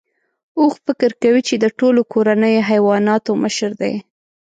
اوښ فکر کوي چې د ټولو کورنیو حیواناتو مشر دی.